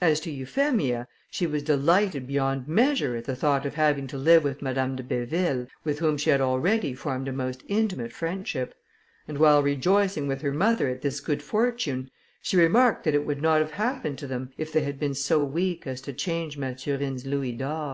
As to Euphemia, she was delighted beyond measure at the thought of having to live with Mademoiselle de Béville, with whom she had already formed a most intimate friendship; and while rejoicing with her mother at this good fortune, she remarked that it would not have happened to them, if they had been so weak as to change Mathurine's louis d'or.